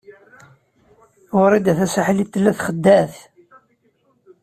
Wrida Tasaḥlit tella txeddeɛ-it.